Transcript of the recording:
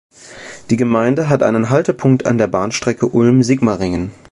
Die Gemeinde hat einen Haltepunkt an der Bahnstrecke Ulm–Sigmaringen.